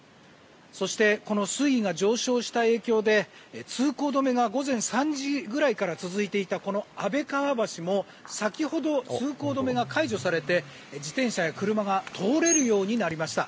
そしてこの水位が上昇した影響で通行止めが午前３時ぐらいから続いていたこの安倍川橋も先ほど、通行止めが解除されて自転車や車が通れるようになりました。